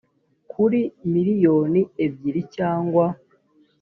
kuri miliyoni ebyiri cyangwa